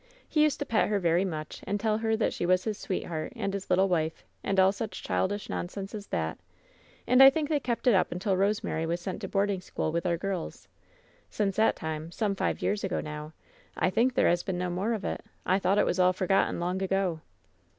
He used to pet her very much and tell her that she was his sweetheart, and his little wife, and all such childish nonsense as that. And I think they kept it up until Rosemary was sent to board ing school with our girls. Since that time — some five years ago now — I think there has been no more of it. I thought it was all forgotten long ago."